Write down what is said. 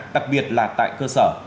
đặc biệt là tại cơ sở